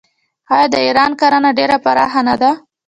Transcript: آیا د ایران کرنه ډیره پراخه نه ده؟